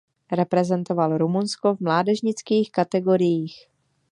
Reprezentoval Rumunsko v mládežnických kategoriích.